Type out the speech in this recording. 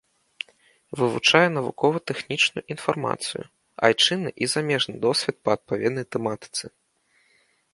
Вывучае навукова-тэхнічную інфармацыю, айчынны і замежны досвед па адпаведнай тэматыцы.